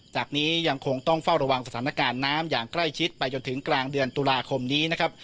จากนี้ยังคงต้องเฝ้าระวังสถานการณ์น้ำอย่างใกล้ชิดไปจนถึงกลางเดือนตุลาคมนี้นะครับ